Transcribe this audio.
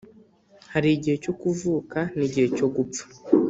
Harigihe cyo kuvuka nigihe cyo gupfa